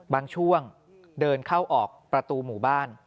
บางช่วงเดินเข้าออกประตูหมู่บ้าน